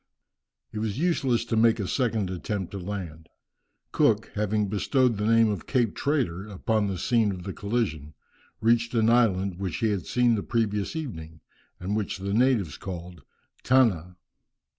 It was useless to make a second attempt to land. Cook having bestowed the name of Cape Traitor upon the scene of the collision, reached an island, which he had seen the previous evening, and which the natives called Tanna.